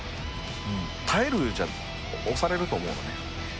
耐えるじゃ押されると思うのね。